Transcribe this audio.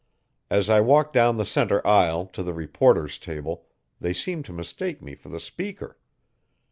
As I walked down the centre aisle, to the reporter's table, they seemed to mistake me for the speaker.